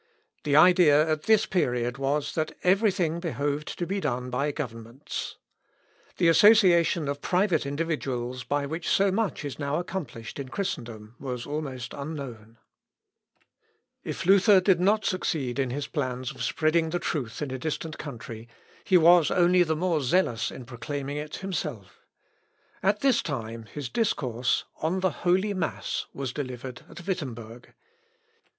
The idea at this period was, that every thing behoved to be done by governments. The association of private individuals, by which so much is now accomplished in Christendom, was almost unknown. Si vivos libros, hoc est concionatores possemus multiplicare... (L. Ep. i, p. 491.) If Luther did not succeed in his plans of spreading the truth in a distant country, he was only the more zealous in proclaiming it himself. At this time his discourse, 'On the Holy Mass,' was delivered at Wittemberg.